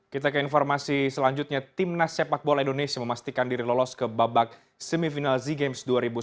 kita ke informasi selanjutnya timnas sepak bola indonesia memastikan diri lolos ke babak semifinal sea games dua ribu sembilan belas